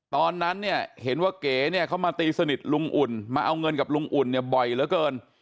ตอนนั้นเนี่ยเห็นว่าเก๋เนี่ยเขามาตีสนิทลุงอุ่นมาเอาเงินกับลุงอุ่นเนี่ยบ่อยเหลือเกิน